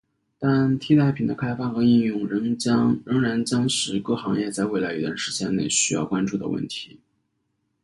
但替代品的开发和应用仍然将是各行业在未来一段时期内需要关注的问题。